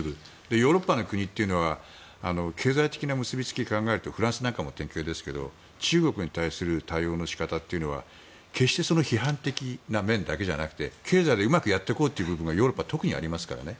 ヨーロッパの国というのは経済的な結びつきを考えるとフランスなんかも典型ですが中国に対する対応の仕方というのは決して批判的な面だけじゃなくて経済でうまくやっていこうという部分がヨーロッパは特にありますからね。